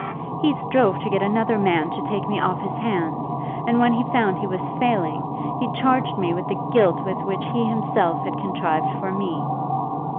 "He strove to get another man to take me off his hands; and when he found that he was failing, he charged me with the guilt which he himself had contrived for me."